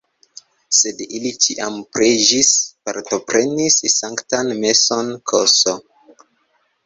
Sed ili ĉiam preĝis, partoprenis sanktan meson ks.